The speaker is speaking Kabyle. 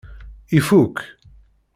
Ifuk.